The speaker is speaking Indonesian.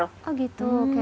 oh gitu oke